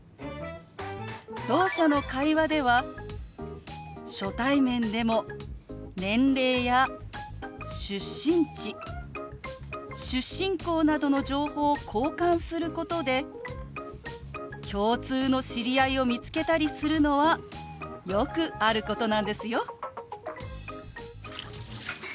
ろう者の会話では初対面でも年齢や出身地出身校などの情報を交換することで共通の知り合いを見つけたりするのはよくあることなんですよ。